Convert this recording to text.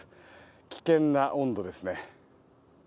危険な温度ですね。